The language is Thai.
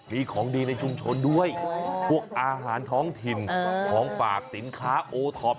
มีของดีในชุมชนด้วยพวกอาหารท้องถิ่นของฝากสินค้าโอท็อป